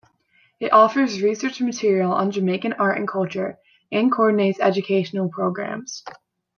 It offers research material on Jamaican art and culture, and coordinates educational programmes.